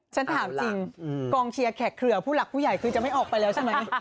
ฉันถามจริงกองเชียร์แขกเครือผู้หลักผู้ใหญ่คือจะไม่ออกไปแล้วใช่ไหม